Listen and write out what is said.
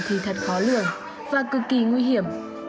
thì thật khó lường và cực kỳ nguy hiểm